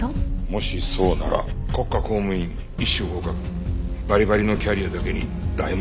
もしそうなら国家公務員Ⅰ種合格バリバリのキャリアだけに大問題だ。